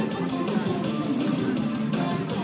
ตรงตรงตรงตรง